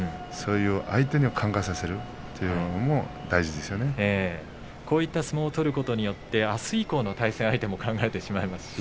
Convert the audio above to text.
相手に考えさせるというのもこういった相撲を取ることによってあす以降の対戦相手も考えてしまいますし。